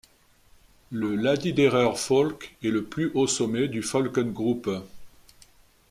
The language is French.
Le Laliderer Falk est le plus haut sommet du Falkengruppe.